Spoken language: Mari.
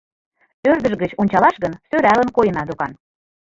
— Ӧрдыж гыч ончалаш гын, сӧралын койына докан.